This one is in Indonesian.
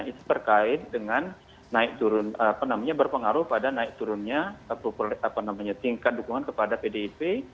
itu terkait dengan naik turun berpengaruh pada naik turunnya tingkat dukungan kepada pdip